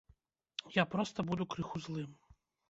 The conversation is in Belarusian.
Я проста буду крыху злым!